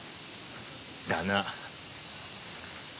だな。